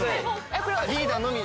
リーダーのみ。